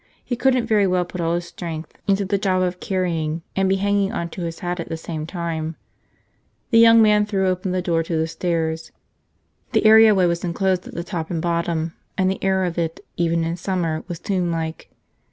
He couldn't very well put all his strength into the job of carrying and be hanging on to his hat at the same time. The young man threw open the door to the stairs. The areaway was enclosed at the top and bottom, and the air of it even in summer was tomblike.